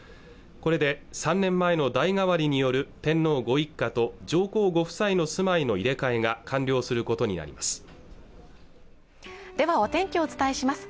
これで３年前の代替わりによる天皇ご一家と上皇ご夫妻の住まいの入れ替えが完了することになりますではお天気をお伝えします